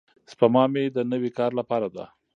سپما مې د نوي کار لپاره ده.